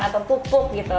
atau pupuk gitu